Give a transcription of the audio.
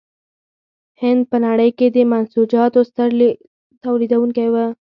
هند په نړۍ کې د منسوجاتو ستر تولیدوونکی و.